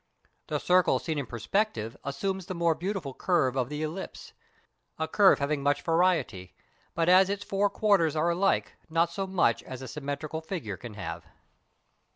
The circle seen in perspective assumes the more beautiful curve of the ellipse, a curve having much variety; but as its four quarters are alike, not so much as a symmetrical figure can have.